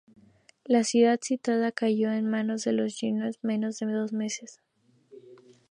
La ciudad sitiada cayó en manos de los yurchen en menos de dos meses.